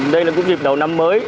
đây là cũng dịp đầu năm mới